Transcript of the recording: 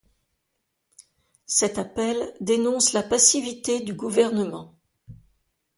Cet appel dénonce la passivité du gouvernement.